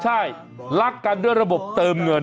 ใช่รักกันด้วยระบบเติมเงิน